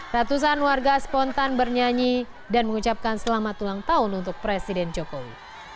ratusan warga spontan bernyanyi dan mengucapkan selamat ulang tahun untuk presiden jokowi